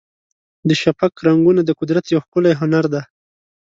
د شفق رنګونه د قدرت یو ښکلی هنر دی.